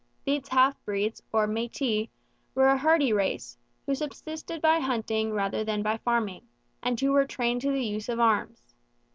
These half breeds, or Métis, were a hardy race, who subsisted by hunting rather than by farming, and who were trained to the use of arms.